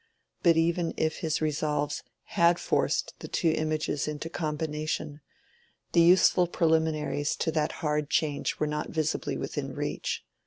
But even if his resolves had forced the two images into combination, the useful preliminaries to that hard change were not visibly within reach.